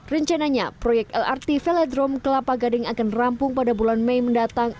rencananya proyek lrt velodrome kelapa gading akan rampung pada bulan mei mendatang